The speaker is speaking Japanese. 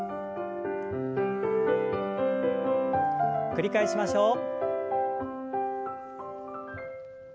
繰り返しましょう。